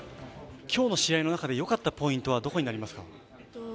今日の試合の中で良かったポイントはどこになりますか？